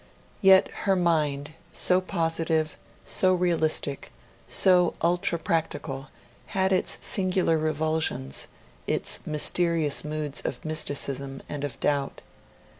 Yet her mind, so positive, so realistic, so ultra practical, had its singular revulsions, its mysterious moods of mysticism and of doubt.